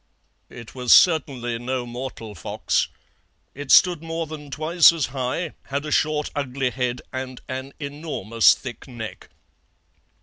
"It was certainly no mortal fox. It stood more than twice as high, had a short, ugly head, and an enormous thick neck.